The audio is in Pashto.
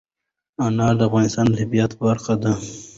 انار د افغانستان د طبیعت برخه ده.